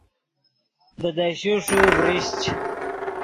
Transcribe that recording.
بیدشے ݰو ڤریشچ